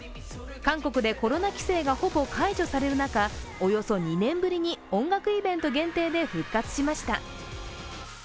韓国でコロナ規制がほぼ解除される中、およそ２年ぶりに音楽イベント限定で復活しました。